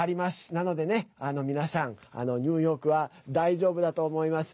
なのでね、皆さんニューヨークは大丈夫だと思います。